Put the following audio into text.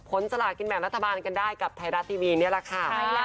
สลากินแบ่งรัฐบาลกันได้กับไทยรัฐทีวีนี่แหละค่ะ